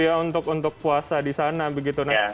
begitu ya untuk puasa di sana begitu